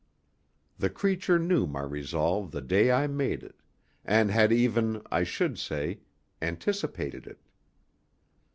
The creature knew my resolve the day I made it, and had even, I should say, anticipated it.